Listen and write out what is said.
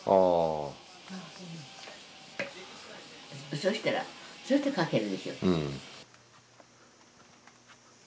そしたら書けるでしょ。